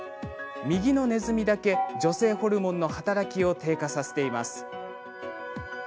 右のネズミだけ女性ホルモンの働きを低下させています。